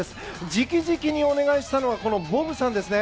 直々にお願いしたのがこのボブさんですね。